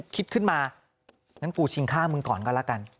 คิดขึ้นมางั้นกูชิงฆ่ามึงก่อนก็แล้วกัน